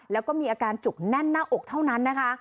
แล้วก็มีอาการจุกแน่นหน้าอกเท่านั้นนะคะ